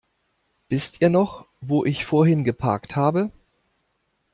Wisst ihr noch, wo ich vorhin geparkt habe?